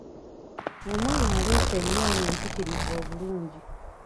Omwana aleese ennyaanya empirtirivu obulungi.